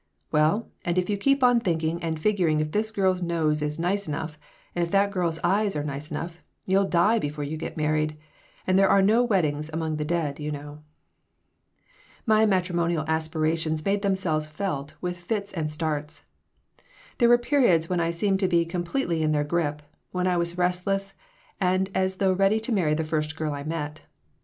Well, and if you keep on thinking and figuring if this girl's nose is nice enough and if that girl's eyes are nice enough, you'll die before you get married, and there are no weddings among the dead, you know." My matrimonial aspirations made themselves felt with fits and starts. There were periods when I seemed to be completely in their grip, when I was restless and as though ready to marry the first girl I met.